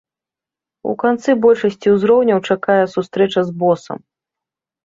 У канцы большасці ўзроўняў чакае сустрэча з босам.